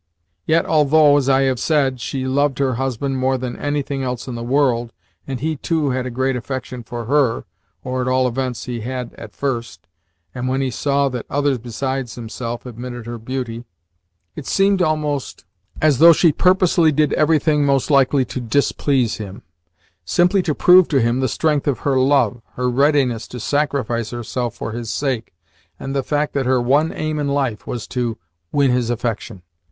Yet, although, as I have said, she loved her husband more than anything else in the world, and he too had a great affection for her (or at all events he had at first, and when he saw that others besides himself admired her beauty), it seemed almost as though she purposely did everything most likely to displease him simply to prove to him the strength of her love, her readiness to sacrifice herself for his sake, and the fact that her one aim in life was to win his affection!